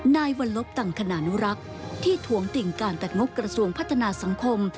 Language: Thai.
นายวัลลบตังคณานุรักษ์ที่ถวงติ่งการตัดงบกระทรวงพัฒนาสังคม